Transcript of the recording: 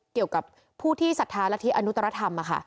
เกี่ยวกับผู้ที่ศรัทธาและที่อนุตรธรรม